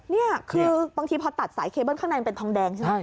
นี่คือบางทีพอตัดสายเคเบิ้ลข้างในมันเป็นทองแดงใช่ไหม